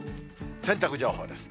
洗濯情報です。